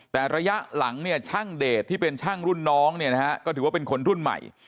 แต่ระยะหลังเนี่ยช่างเดชที่เป็นช่างรุ่นน้องเนี่ยนะฮะก็ถือว่าเป็นคนรุ่นใหม่